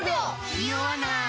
ニオわない！